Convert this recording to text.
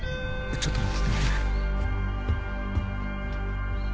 ちょっと待っててね。